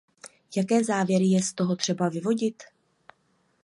Jaké závěry je z toho třeba vyvodit?